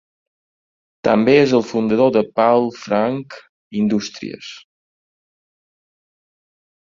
També és el fundador de Paul Frank Industries.